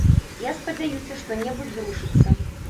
Я спадзяюся, што-небудзь зрушыцца.